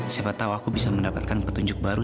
siapa tahu aku bisa mendapatkan petunjuk baru